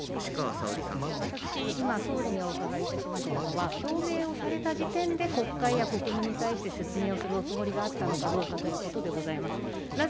私、今、総理にお伺いいたしましたのは、表明をされた時点で、国会や国民に対して説明をするおつもりがあったのかどうかということでございます。